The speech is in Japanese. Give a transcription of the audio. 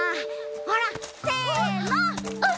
ほらせぇの！